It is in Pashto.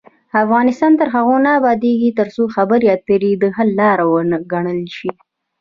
افغانستان تر هغو نه ابادیږي، ترڅو خبرې اترې د حل لار وګڼل شي.